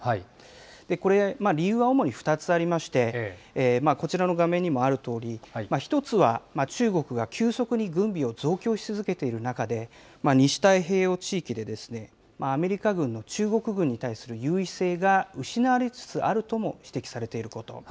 これ、理由は主に２つありまして、こちらの画面にもあるとおり、１つは、中国が急速に軍備を増強し続けている中で、西太平洋地域で、アメリカ軍の中国軍に対する優位性が失われつつあるとも指摘されていること。